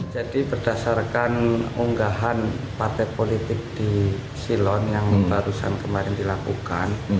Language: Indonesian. jadi berdasarkan unggahan partai politik di silon yang barusan kemarin dilakukan